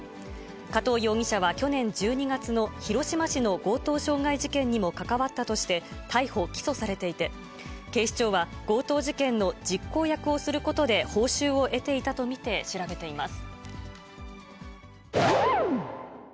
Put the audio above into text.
加藤容疑者は去年１２月の広島市の強盗傷害事件にも関わったとして逮捕・起訴されていて、警視庁は強盗事件の実行役をすることで報酬を得ていたと見て調べています。